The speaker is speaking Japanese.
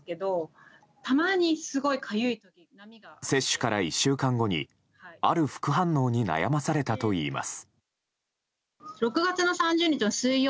接種から１週間後にある副反応に悩まされたといいます。